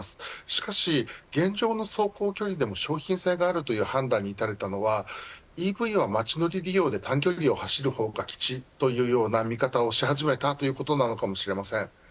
しかし現状の走行距離でも商品性があるという判断に至ったのはＥＶは街乗り用で短距離を走るのが吉という見方をし始めたということかもしれません。